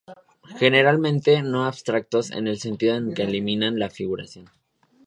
Generalmente son abstractos en el sentido de que eliminan la figuración.